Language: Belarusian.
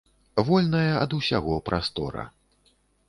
Вольная ад усяго прастора.